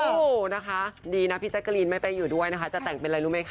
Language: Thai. โอ้โหนะคะดีนะพี่แจ๊กกะรีนไม่ไปอยู่ด้วยนะคะจะแต่งเป็นอะไรรู้ไหมคะ